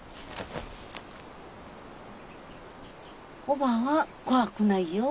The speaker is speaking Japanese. おばぁは怖くないよ。